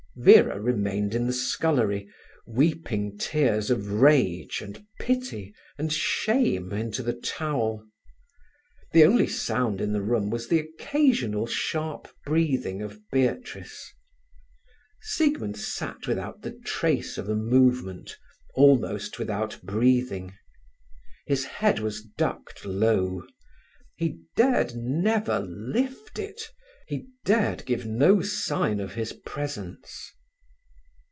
Vera remained in the scullery, weeping tears of rage, and pity, and shame into the towel. The only sound in the room was the occasional sharp breathing of Beatrice. Siegmund sat without the trace of a movement, almost without breathing. His head was ducked low; he dared never lift it, he dared give no sign of his presence.